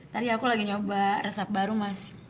tadi aku lagi nyoba resep baru mas